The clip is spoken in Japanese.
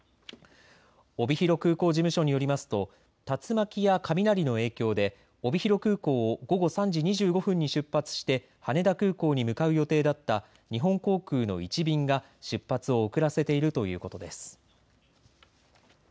帯広空港事務所によりますと竜巻や雷の影響で帯広空港を午後３時２５分に出発して羽田空港に向かう予定だった日本航空の１便が出発を遅らせているということです。